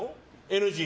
ＮＧ。